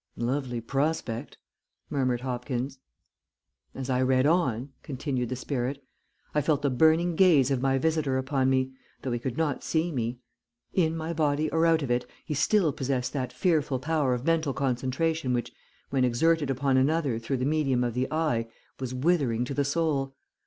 "Lovely prospect," murmured Hopkins. "As I read on," continued the spirit, "I felt the burning gaze of my visitor upon me, though he could not see me. In my body or out of it, he still possessed that fearful power of mental concentration which when exerted upon another through the medium of the eye was withering to the soul.